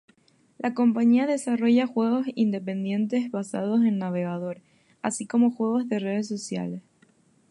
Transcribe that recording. La compañía desarrolla juegos independientes basados en navegador, así como juegos de redes sociales.